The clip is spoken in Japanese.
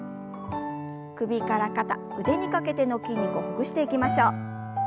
首から肩腕にかけての筋肉をほぐしていきましょう。